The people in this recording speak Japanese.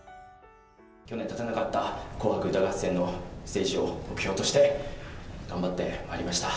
去年立てなかった紅白歌合戦のステージを目標として、頑張ってまいりました。